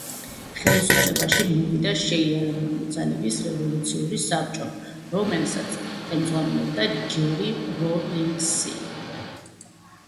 ხელისუფლებაში მოვიდა შეიარაღებული ძალების რევოლუციური საბჭო, რომელსაც ხელმძღვანელობდა ჯერი როლინგსი.